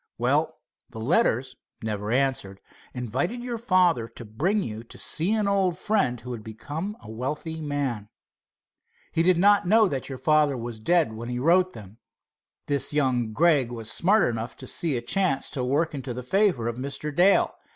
"Well, the letters, never answered, invited your father to bring you to see an old friend who had become a wealthy man. He did not know that your father was dead when he wrote them. This young Gregg was smart enough to see a chance to work into the favor of Mr. Dale.